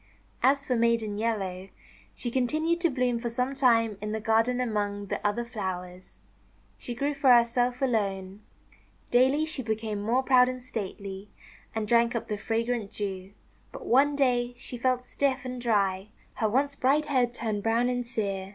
As for Maiden Yellow, she continued to bloom for some time in the garden among the other flowers. She grew for herself alone. Daily she became more proud and stately, and drank up the fragrant Dew. But one day she felt stiff and dry. Her once bright head turned brown and sere.